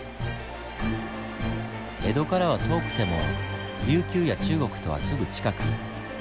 江戸からは遠くても琉球や中国とはすぐ近く。